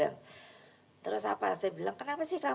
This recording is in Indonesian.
kenapa bapu bapu paham